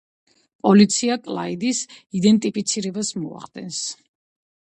პოლიცია კლაიდის იდენტიფიცირებას მოახდენს.